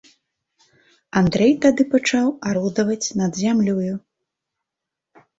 Андрэй тады пачаў арудаваць над зямлёю.